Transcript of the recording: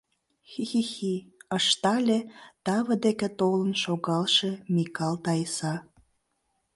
Хи-хи-хи! — ыштале таве деке толын шогалше Микал Таиса.